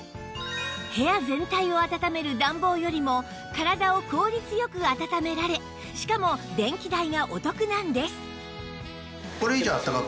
部屋全体をあたためる暖房よりも体を効率よくあたためられしかも電気代がお得なんです